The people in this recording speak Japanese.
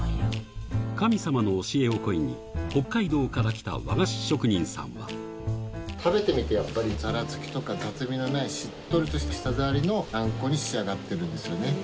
神様の教えを請いに、北海道から来た和菓子職人さんは。食べてみて、やっぱり、ざらつきとか雑味のない、しっとりとした舌触りのあんこに仕上がってるんですよね。